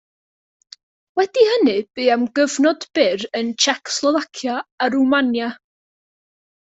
Wedi hynny bu am gyfnod byr yn Tsiecoslofacia a Rwmania.